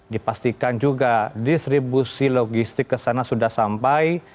dipastikan juga distribusi logistik kesana sudah sampai